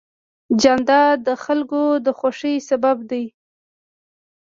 جانداد د خلکو د خوښۍ سبب دی.